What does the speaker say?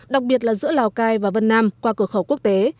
đặc biệt là giữa lào cai và vân nam qua cửa khẩu quốc tế